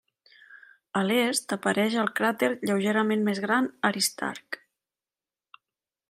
A l'est apareix el cràter lleugerament més gran Aristarc.